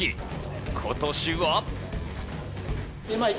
今年は。